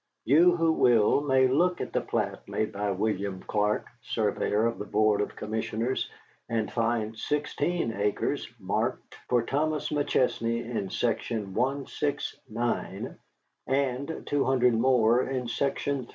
You who will may look at the plat made by William Clark, Surveyor for the Board of Commissioners, and find sixteen acres marked for Thomas McChesney in Section 169, and two hundred more in Section 3.